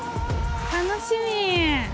楽しみ。